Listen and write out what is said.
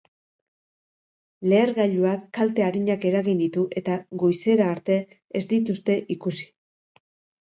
Lehergailuak kalte arinak eragin ditu eta goizera arte ez dituzte ikusi.